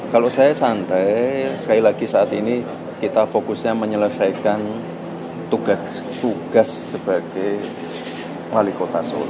kalau saya santai sekali lagi saat ini kita fokusnya menyelesaikan tugas tugas sebagai wali kota solo